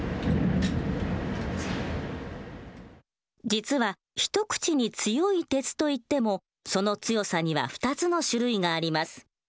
実は一口に強い鉄といってもその強さには２つの種類があります。